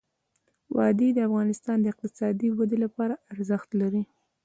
وادي د افغانستان د اقتصادي ودې لپاره ارزښت لري.